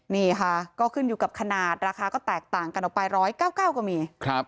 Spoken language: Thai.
นี่ค่ะก็ขึ้นอยู่กับขนาดราคาก็แตกต่างกันออกไป๑๙๙ก็มี